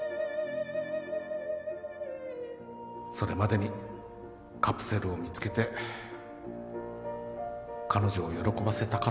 それまでにカプセルを見つけて彼女を喜ばせたかったんですけどね